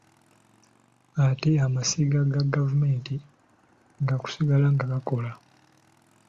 Ate amasiga ga gavumenti, gaakusigala nga gakola